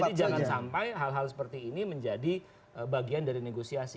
jadi jangan sampai hal hal seperti ini menjadi bagian dari negosiasi